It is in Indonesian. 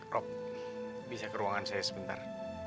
rop bisa ke ruangan saya sebentar